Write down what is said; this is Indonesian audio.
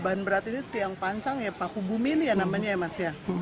bahan berat ini tiang pancang ya paku bumi ini ya namanya ya mas ya